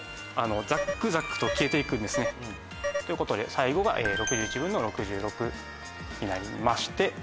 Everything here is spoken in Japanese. ザックザックと消えていくんですね。ということで最後が６６／６１になりまして。